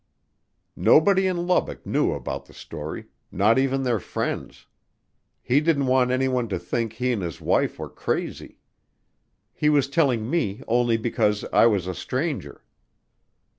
Nobody in Lubbock knew about the story, not even their friends. He didn't want anyone to think he and his wife were "crazy." He was telling me only because I was a stranger.